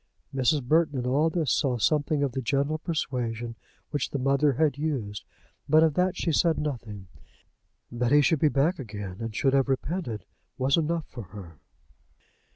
Mrs. Burton in all this saw something of the gentle persuasion which the mother had used, but of that she said nothing. That he should be back again, and should have repented, was enough for her.